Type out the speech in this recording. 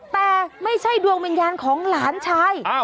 แต่ไม่ใช่ดวงวิญญาณของหลานชาย